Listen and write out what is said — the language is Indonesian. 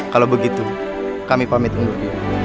kalau begitu kami pamit undur diri